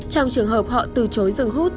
trong trường hợp họ từ chối dừng hút